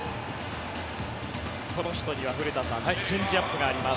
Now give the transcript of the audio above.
この人には古田さんチェンジアップがあります。